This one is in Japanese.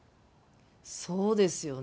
そうですよね。